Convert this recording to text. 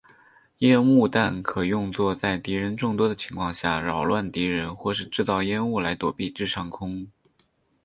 烟雾弹可用作在敌人众多的情况下扰乱敌人或是制造烟雾来躲避至上空。